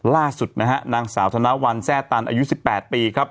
ล่าสุดนะฮะนางสาวธนวัลแซ่ตันอายุ๑๘ปีครับ